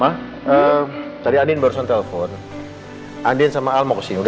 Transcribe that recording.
hari ini banyak bener yang nelponin gue